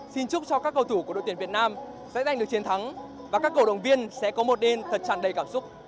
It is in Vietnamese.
xin chúc cho các cầu thủ của đội tuyển việt nam sẽ giành được chiến thắng và các cầu động viên sẽ có một đêm thật chẳng đầy cảm xúc